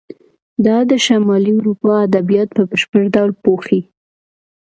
دا د شمالي اروپا ادبیات په بشپړ ډول پوښي.